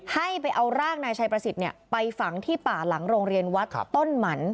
ให้ไปเอาร่างนายชัยประสิทธิ์ไปฝังที่ป่าหลังโรงเรียนวัดต้นหมัน